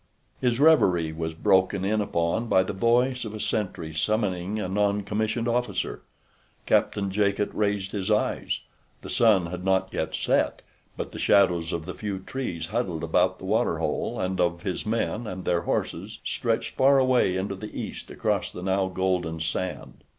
His reverie was broken in upon by the voice of a sentry summoning a non commissioned officer. Captain Jacot raised his eyes. The sun had not yet set; but the shadows of the few trees huddled about the water hole and of his men and their horses stretched far away into the east across the now golden sand.